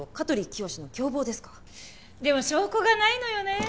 でも証拠がないのよね。